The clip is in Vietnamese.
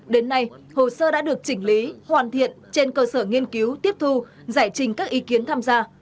đến nay hồ sơ đã được chỉnh lý hoàn thiện trên cơ sở nghiên cứu tiếp thu giải trình các ý kiến tham gia